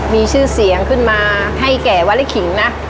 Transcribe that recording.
มีชื่อเสียงขึ้นมาให้แก่วลิขิงนะ